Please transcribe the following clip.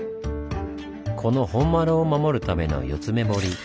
この本丸を守るための「四つ目堀」。